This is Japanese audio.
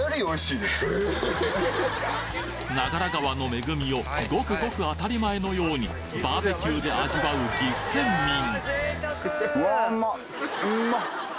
長良川の恵みをごくごく当たり前のようにバーベキューで味わう岐阜県民